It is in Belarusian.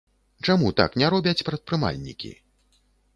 Чаму так не робяць прадпрымальнікі?